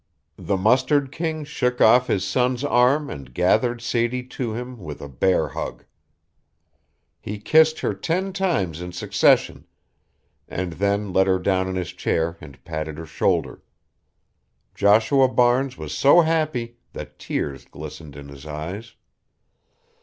The mustard king shook off his son's arm and gathered Sadie to him with a bear hug. He kissed her ten times in succession and then let her down in his chair and patted her shoulder. Joshua Barnes was so happy that tears glistened in his eyes.